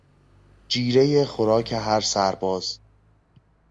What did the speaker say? جیرهی خوراک هرسرباز